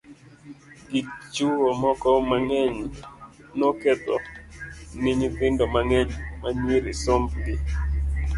gi chuwo moko mang'eny nokedho ni nyithindo mang'eny manyiri somb gi